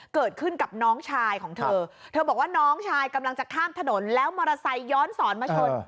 เกิดขึ้นกับน้องชายของเธอเธอบอกว่าน้องชายกำลังจะข้ามถนนแล้วมอเตอร์ไซค์ย้อนสอนมาชน